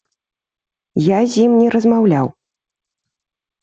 Я з ім не размаўляў.